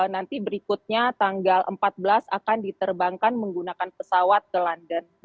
nanti berikutnya tanggal empat belas akan diterbangkan menggunakan pesawat ke london